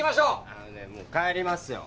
あのねもう帰りますよ遅いから。